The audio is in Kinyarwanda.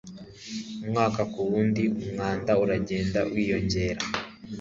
Umwaka ku wundi, umwanda uragenda wiyongera